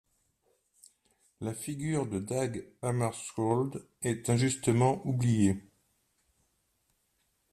La figure de Dag Hammarskjöld est injustement oubliée.